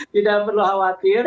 tidak perlu khawatir